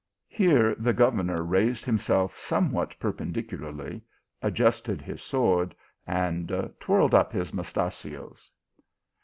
" Here the governor raised himself somewhat per pendicularly, adjusted his sword, and twirled up his mustachios.